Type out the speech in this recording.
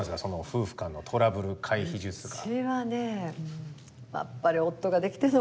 夫婦間のトラブル回避術とか。